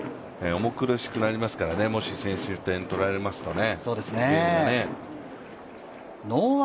重苦しくなりますからね、もし先取点取られますとね。